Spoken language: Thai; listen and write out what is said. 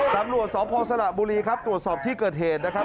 ตำรวจสพสระบุรีครับตรวจสอบที่เกิดเหตุนะครับ